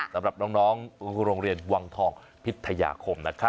สำหรับน้องโรงเรียนวังทองพิทยาคมนะครับ